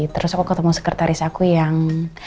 terus aku ketemu sekretaris aku yang